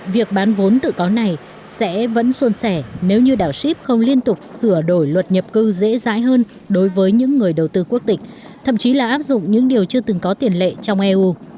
việc bán vốn tự có này sẽ vẫn xuân sẻ nếu như đảo ship không liên tục sửa đổi luật nhập cư dễ dãi hơn đối với những người đầu tư quốc tịch thậm chí là áp dụng những điều chưa từng có tiền lệ trong eu